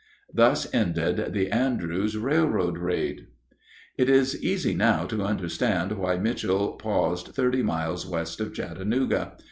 Thus ended the Andrews railroad raid. It is easy now to understand why Mitchel paused thirty miles west of Chattanooga.